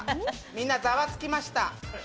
みんなざわつきました。